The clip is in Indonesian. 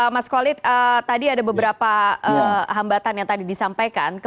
mas kolit tadi ada beberapa hambatan yang tadi disampaikan